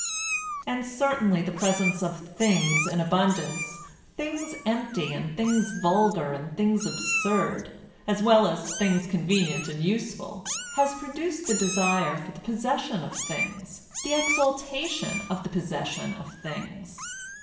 And certainly the presence of things in abundance, things empty and things vulgar and things absurd, as well as things convenient and useful, has produced the desire for the possession of things, the exaltation of the possession of things.